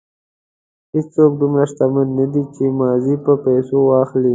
هېڅوک دومره شتمن نه دی چې ماضي په پیسو واخلي.